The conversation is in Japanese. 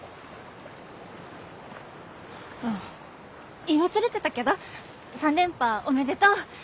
あっ言い忘れてたけど３連覇おめでとう！